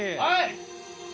はい！